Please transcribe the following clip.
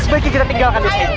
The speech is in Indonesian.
sebaiknya kita tinggalkan di sini